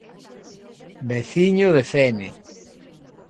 Veciño de Fene.